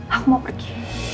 aku mau pergi